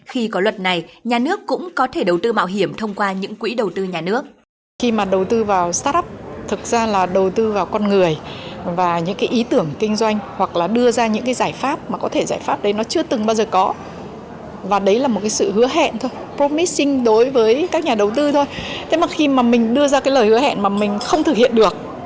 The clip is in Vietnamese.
khi có luật này nhà nước cũng có thể đầu tư mạo hiểm thông qua những quỹ đầu tư nhà nước